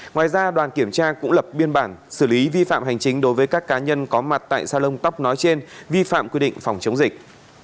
ngoài ra đoàn kiểm tra cũng lập biên bản xử lý vi phạm hành chính đối với các cá nhân có mặt tại sa lông tóc nói trên vi phạm quy định phòng chống dịch